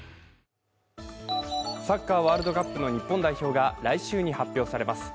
サッカーワールドカップの日本代表が来週に発表されます。